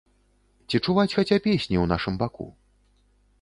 Ці чуваць хаця песні ў нашым баку?